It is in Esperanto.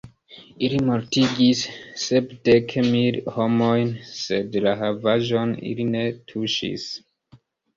Ili mortigis sepdek mil homojn, sed la havaĵon ili ne tuŝis.